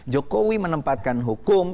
jokowi menempatkan hukum